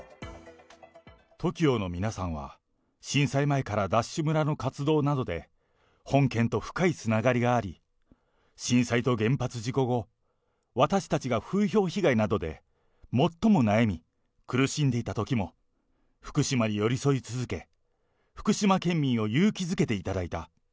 ＴＯＫＩＯの皆さんは、震災前からＤＡＳＨ村の活動などで、本県と深いつながりがあり、震災と原発事故後、私たちが風評被害などで最も悩み苦しんでいたときも、福島に寄り添い続け、福島県民を勇気づけていただいた。